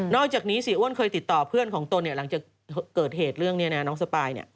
อกจากนี้เสียอ้วนเคยติดต่อเพื่อนของตนหลังจากเกิดเหตุเรื่องนี้น้องสปาย